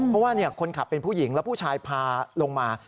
เพราะว่าคนขับเป็นผู้หญิงแล้วผู้ชายพาลงมา